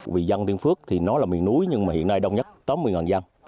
vì dân tiên phước thì nó là miền núi nhưng mà hiện nay đông nhất tám mươi dân